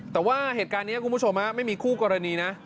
แต่ว่าเหตุการณ์นี้คุณผู้ชมไม่มีคู่กรณีนะ